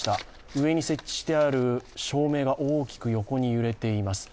上に設置してある照明が大きく揺れています。